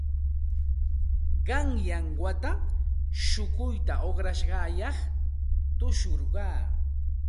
Qanyan wata shukuyta uqrashqayaq tushurqaa.